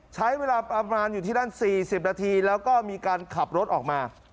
ใช้เวลาประมาณอยู่ที่นั่น๔๐นาทีแล้วก็มีการขับรถออกมา